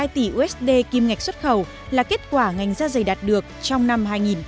một mươi sáu hai tỷ usd kim ngạch xuất khẩu là kết quả ngành da dày đạt được trong năm hai nghìn một mươi sáu